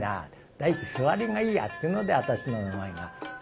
第一すわりがいいや」っていうので私の名前が決まったと。